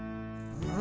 うん？